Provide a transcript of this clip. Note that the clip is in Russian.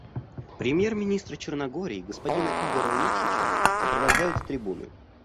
Премьер-министра Черногории господина Игора Лукшича сопровождают с трибуны.